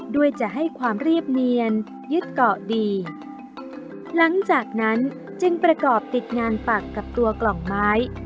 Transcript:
ด้วยจะให้ความเรียบเนียนยึดเกาะดีหลังจากนั้นจึงประกอบติดงานปักกับตัวกล่องไม้